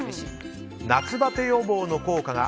夏バテ予防の効果が